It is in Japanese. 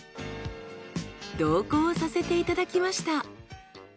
同行させていただきました。